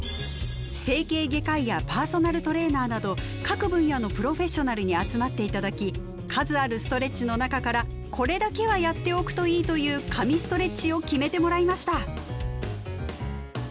各分野のプロフェッショナルに集まって頂き数あるストレッチの中から「これだけはやっておくといい」という「神ストレッチ」を決めてもらいました。